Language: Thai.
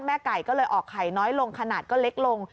ไก่ก็เลยออกไข่น้อยลงขนาดก็เล็กลง